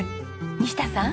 西田さん